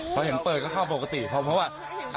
เพราะเห็นเปิดเข้าปกติเพราะเพราะว่ะ